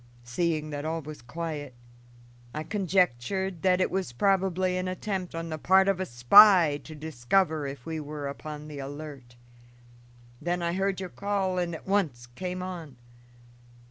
Seeing that all was quiet, I conjectured that it was probably an attempt on the part of a spy to discover if we were upon the alert. Then I heard your call and at once came on.